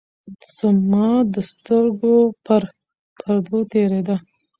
زمـا د سـترګو پـر پـردو تېـرېده.